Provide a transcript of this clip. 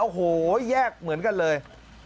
โอ้โหแยกเหมือนกันเลย